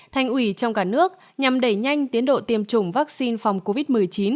thành ủy trong cả nước nhằm đẩy nhanh tiến độ tiêm chủng vaccine phòng covid một mươi chín